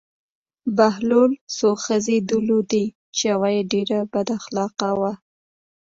بهلول څو ښځې درلودې چې یوه یې ډېره بد اخلاقه وه.